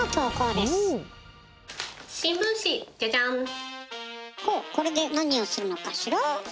最後はほうこれで何をするのかしら？